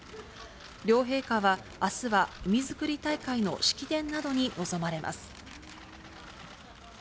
両陛下はあすは海づくり大会の式典などに臨まれます。